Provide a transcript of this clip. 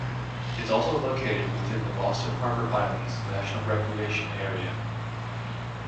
It's also located within the Boston Harbor Islands National Recreation Area.